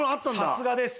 さすがです。